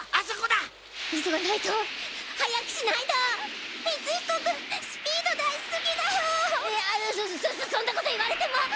そそんなこと言われても！